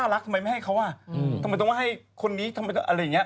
ทำไมไม่ให้เขาว่าทำไมต้องให้คนนี้อะไรอย่างนี้